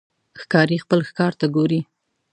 ښکاري خپل ښکار ته ګوري.